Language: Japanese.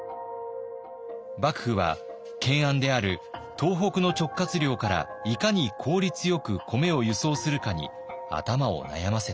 幕府は懸案である東北の直轄領からいかに効率よく米を輸送するかに頭を悩ませていました。